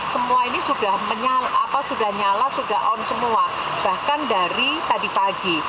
semua ini sudah nyala sudah on semua bahkan dari tadi pagi